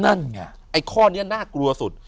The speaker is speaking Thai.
ไอ้ข้อนี้น่ากลัวสุด